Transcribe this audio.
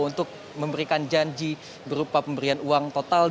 untuk memberikan janji berupa pemberian uang total